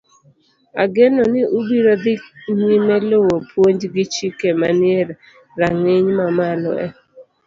Ageno ni ubiro dhi nyime luwo puonj gi chike manie rang'iny mamalo e